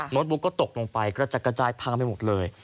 โน้ตบุ๊กก็ตกลงไปกระจายพังไปหมดเลย